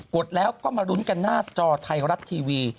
ดแล้วก็มาลุ้นกันหน้าจอไทยรัฐทีวี